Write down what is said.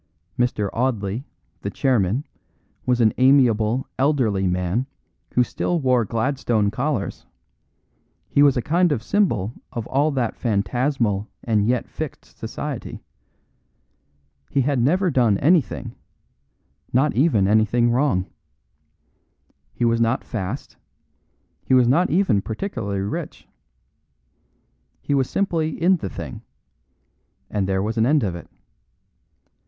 Mr. Audley, the chairman, was an amiable, elderly man who still wore Gladstone collars; he was a kind of symbol of all that phantasmal and yet fixed society. He had never done anything not even anything wrong. He was not fast; he was not even particularly rich. He was simply in the thing; and there was an end of it.